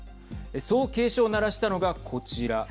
そう警鐘を鳴らしたのがこちら。